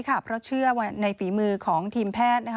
เพราะเชื่อว่าในฝีมือของทีมแพทย์